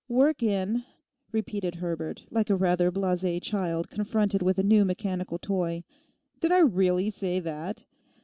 '"Work in,"' repeated Herbert, like a rather blasé child confronted with a new mechanical toy; 'did I really say that?